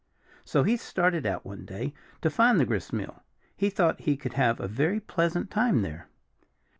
So he started out, one day, to find the gristmill. He thought he could have a very pleasant time there.